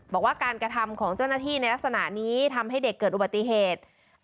บอกว่าการกระทำของเจ้าหน้าที่ในลักษณะนี้ทำให้เด็กเกิดอุบัติเหตุ